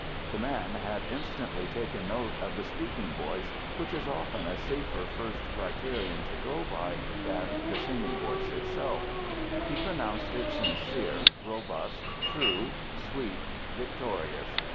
The man had instantly taken note of the speaking voice, which is often a safer first criterion to go by than the singing voice itself. He pronounced it sincere, robust, true, sweet, victorious.